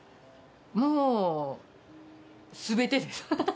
もう、すべてです。